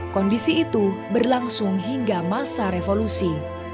kondisi itu berlangsung hingga masa revolusi